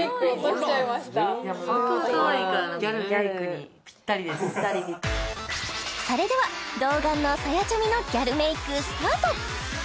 可愛いそれでは童顔のさやちゃみのギャルメイクスタート！